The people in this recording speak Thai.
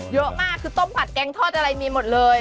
เยอะมากคือต้มผัดแกงทอดอะไรมีหมดเลย